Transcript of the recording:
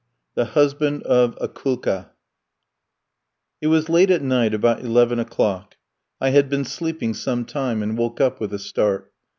THE HUSBAND OF AKOULKA It was late at night, about eleven o'clock. I had been sleeping some time and woke up with a start.